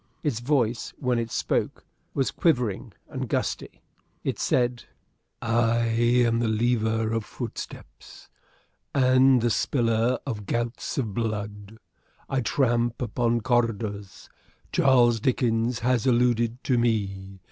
Its voice, when it spoke, was quavering and gusty. It said, "I am the leaver of footsteps and the spiller of gouts of blood. I tramp upon corridors. Charles Dickens has alluded to me.